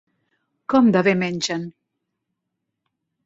Com de bé mengen?